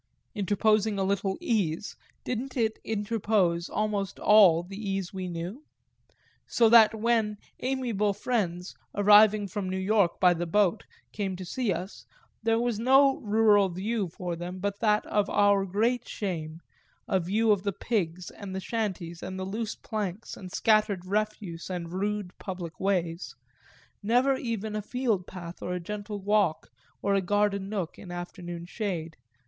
Interposing a little ease, didn't it interpose almost all the ease we knew? so that when amiable friends, arriving from New York by the boat, came to see us, there was no rural view for them but that of our great shame, a view of the pigs and the shanties and the loose planks and scattered refuse and rude public ways; never even a field path for a gentle walk or a garden nook in afternoon shade.